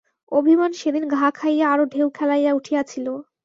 অভিমান সেদিন ঘা খাইয়া আরো ঢেউ খেলাইয়া উঠিয়াছিল।